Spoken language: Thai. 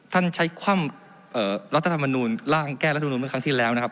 ท่านใช้ความรัฐธรรมนูนแก้ลำนูนเมื่อครั้งที่แล้วนะครับ